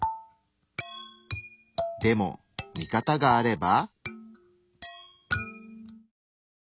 でも見方があれば。